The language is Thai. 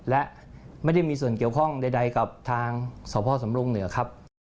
และไม่ได้มีส่วนเกี่ยวข้องใดกับทางสพสำรงเหนือครับ